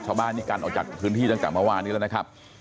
ชาวบ้านนี่กันออกจากพื้นที่ตั้งแต่เมื่อวานนี้แล้วนะครับ